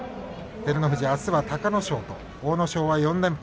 照ノ富士、あすは隆の勝阿武咲は４連敗